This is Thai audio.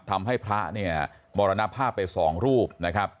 ทำให้พระเนี่ยมรณภาพไปสองรูปนะครับ